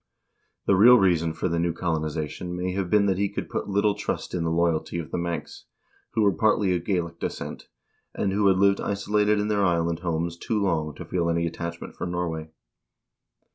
The real reason for the new colonization may have been that he could put little trust in the loyalty of the Manx, who were partly of Gaelic descent, and who had lived isolated in their island homes too long to feel any attachment for Norway.